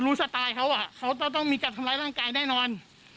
รู้สตาลเขาอ่ะเขาต้องมีการทำลายร่างกายได้นอน